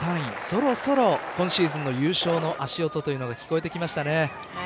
そろそろ今シーズンの優勝の足音というのが聞こえてきましたね。